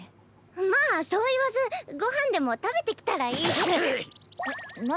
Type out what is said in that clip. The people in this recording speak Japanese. まあそう言わずご飯でも食べてきたらいいっス。えっ何？